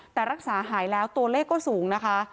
แต่รักษาหายแล้วตัวเลขก็สูงนะคะ